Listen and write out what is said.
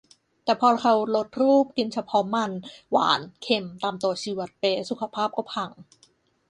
แต่พอเราลดรูป กินเฉพาะมัน หวาน เค็ม ตามตัวชี้วัดเป๊ะ สุขภาพก็พัง